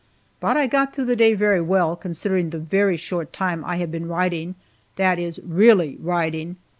But I got through the day very well, considering the very short time I have been riding that is, really riding.